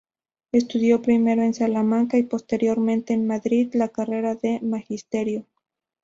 Estudió primero en Salamanca y posteriormente en Madrid la carrera de Magisterio.